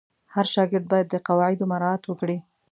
هر شاګرد باید د قواعدو مراعت وکړي.